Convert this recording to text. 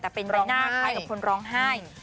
แต่เป็นใบหน้าคล้ายกับคนร้องไห้